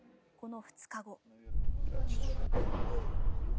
この２日後。